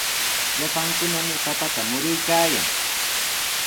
Llapankunami papata muruykaayan.